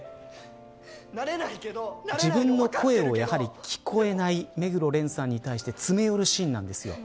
自分の声をやはり聞こえない目黒蓮さんに詰め寄るシーンです。